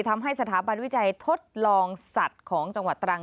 ทำให้สถาบันวิจัยทดลองสัตว์ของจังหวัดตรัง